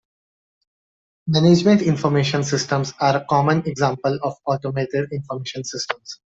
Management information systems are a common example of automated information systems.